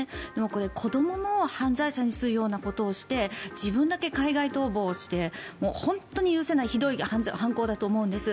これ、子どもも犯罪者にするようなことをして自分だけ海外逃亡して本当に許せないひどい犯行だと思うんです。